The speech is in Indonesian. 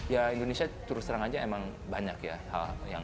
ya indonesia turut serang aja emang banyak ya